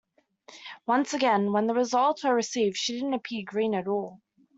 Once again, when the results were received, she didn't appear green at all.